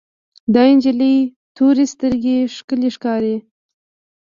د انجلۍ تورې سترګې ښکلې ښکاري.